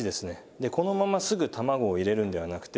でこのまますぐ卵を入れるんではなくて。